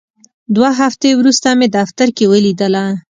دوه هفتې وروسته مې دفتر کې ولیدله.